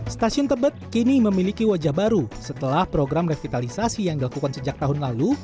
stasiun tebet kini memiliki wajah baru setelah program revitalisasi yang dilakukan sejak tahun lalu